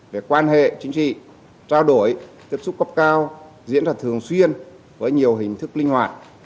về quan hệ chính trị trao đổi tiếp xúc cấp cao diễn ra thường xuyên với nhiều hình thức linh hoạt